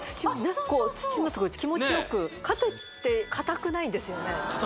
こう気持ちよくかといって硬くないんですよね